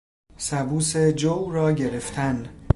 سبوس جو را گرفتن